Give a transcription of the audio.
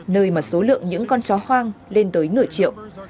nơi mà số lượng những con chó hoang lên tới nửa triệu